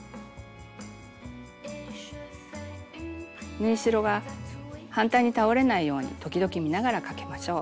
縫い代が反対に倒れないように時々見ながらかけましょう。